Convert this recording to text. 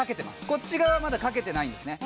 こっち側はまだかけてないんですね